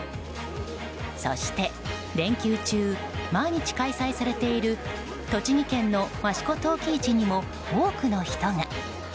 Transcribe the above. そして、連休中毎日開催されている栃木県の益子陶器市にも多くの人が。